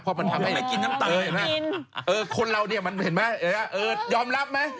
เพราะมันทำให้เออคนเราเนี่ยมันเห็นไหมเออยอมรับไหม